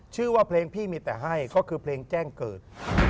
ชื่อว่าเพลงพี่มีแต่ให้ก็คือเพลงแจ้งเกิด